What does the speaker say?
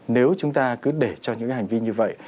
nếu chúng ta cứ để cho những hành vi như vậy